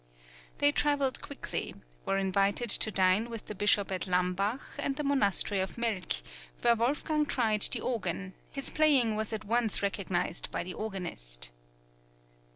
They travelled quickly; were invited to dine with the Bishop at Lambach; and at the Monastery of Mölk, where Wolfgang tried the organ, his playing was at once recognised by the organist.